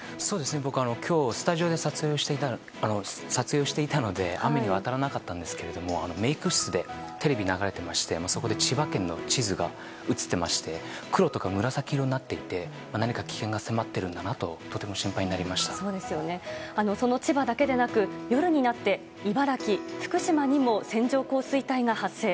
僕は今日、スタジオで撮影をしていたので雨には当たらなかったんですけどメイク室でテレビが流れていましてそこで千葉県の地図が映っていまして黒とか紫色になっていて何か危険が迫っているんだなとその千葉だけでなく夜になって茨城、福島にも線状降水帯が発生。